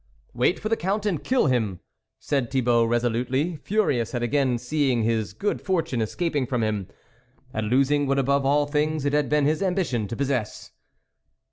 "Wait for the Count and kill him," said Thibault resolutely, furious at again seeing his good fortune escaping from him, at losing what above all things it had been his ambition to possess.